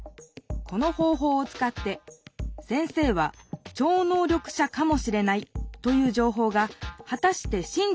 この方ほうをつかって先生は超能力者かもしれないというじょうほうがはたしてしん